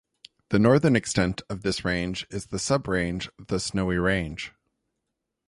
The northern extent of this range is the sub-range the Snowy Range.